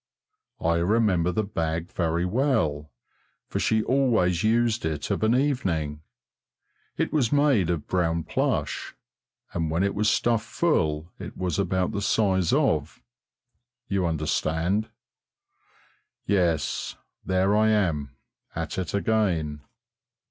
I remember the bag very well, for she always used it of an evening; it was made of brown plush, and when it was stuffed full it was about the size of you understand. Yes, there I am, at it again!